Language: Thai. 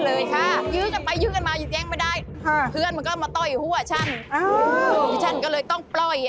แล้วก็สู้กับเขาล่ะ